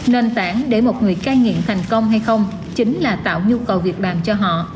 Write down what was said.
nền tảng để một người cai nghiện thành công hay không chính là tạo nhu cầu việc làm cho họ